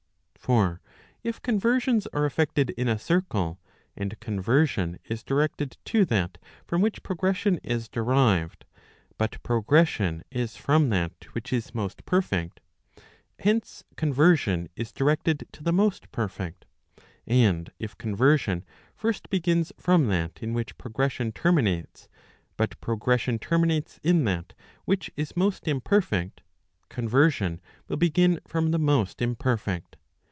9 _ For if conversions are effected in a circle, and conversion is directed to that from which progression is derived, but progression is from that which is most perfect, hence conversion is directed to the most perfect. And if ^ conversion first begins from that in which progression terminates, but progression terminates in that which is most imperfect, conversion will begin from the most imperfect.